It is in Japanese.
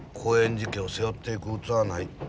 寺家を背負っていく器はない。